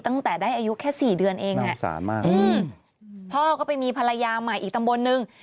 ตั้งแต่ได้อายุแค่๔เดือนเองเนี่ยน้องสารมากพ่อก็ไปมีภรรยาใหม่อีกตำบลนึง